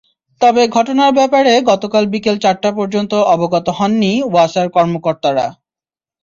তবে ঘটনার ব্যাপারে গতকাল বিকেল চারটা পর্যন্ত অবগত হননি ওয়াসার কর্মকর্তারা।